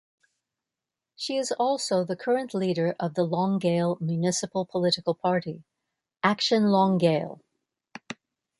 She is also the current leader of the Longueuil municipal political party "Action Longueuil".